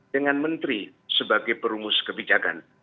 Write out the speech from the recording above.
dengan menteri sebagai perumus kebijakan